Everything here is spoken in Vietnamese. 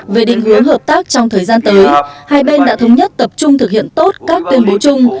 về định hướng hợp tác trong thời gian tới hai bên đã thống nhất tập trung thực hiện tốt các tuyên bố chung